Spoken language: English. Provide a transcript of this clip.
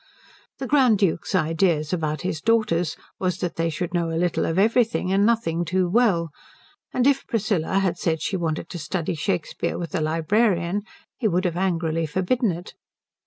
The Grand Duke's idea about his daughters was that they should know a little of everything and nothing too well; and if Priscilla had said she wanted to study Shakespeare with the librarian he would have angrily forbidden it.